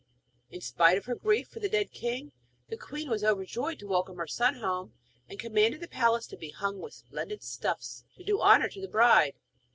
In spite of her grief for the dead king, the queen was overjoyed to welcome her son home, and commanded the palace to be hung with splendid stuffs to do honour to the bride.